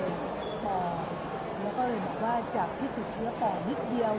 แล้วก็เลยบอกว่าจากที่ติดเชื้อปอดนิดเดียว